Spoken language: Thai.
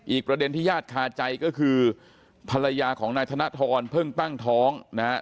ประเด็นที่ญาติคาใจก็คือภรรยาของนายธนทรเพิ่งตั้งท้องนะครับ